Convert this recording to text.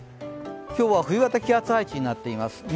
今日は冬型気圧配置になっています。